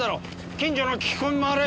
近所の聞き込みまわれ。